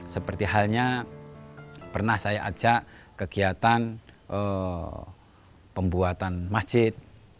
seperti halnya pernah saya ajak kegiatan pembuatan masjid